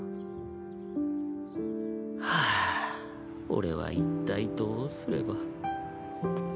俺は一体どうすれば。